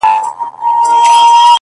گراني ددې وطن په ورځ كي توره شپـه راځي!